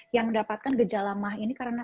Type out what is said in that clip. yang mendapatkan gejala mah ini karena